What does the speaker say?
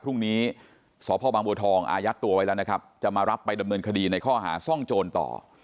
พรุ่งนี้สพบางบัวทองอายัดตัวไว้แล้วนะครับจะมารับไปดำเนินคดีในข้อหาซ่องโจรต่อ